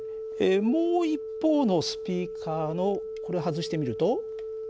もう一方のスピーカーのこれ外してみると。